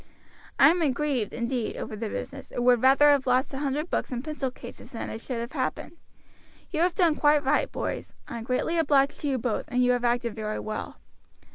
I am grieved, indeed, over the business, and would rather have lost a hundred books and pencil cases than it should have happened. You have done quite right, boys; I am greatly obliged to you both, and you have acted very well.